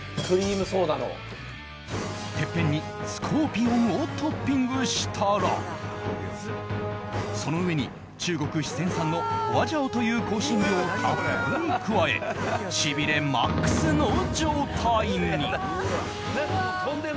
てっぺんにスコーピオンをトッピングしたらその上に中国・四川産のホアジャオという香辛料をたっぷり加えしびれマックスの状態に。